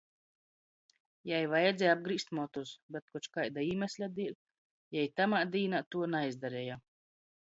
Jai vajadzēja apgrīzt motus, bet koč kaida īmesļa deļ jei tamā dīnā tuo naizdareja.